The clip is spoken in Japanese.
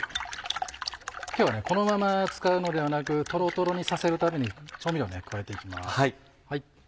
今日はこのまま使うのではなくとろとろにさせるために調味料を加えて行きます。